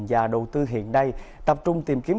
và đầu tư hiện nay tập trung tìm kiếm